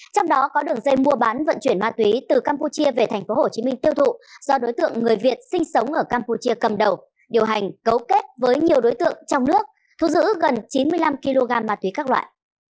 trong đó có đường dây mua bán vận chuyển ma túy từ campuchia về tp hcm tiêu thụ do đối tượng người việt sinh sống ở campuchia cầm đầu điều hành cấu kết với nhiều đối tượng trong nước thu giữ gần chín mươi năm kg ma túy các loại